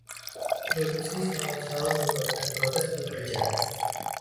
Produksi selama setahun menyebabkan protes pekerja.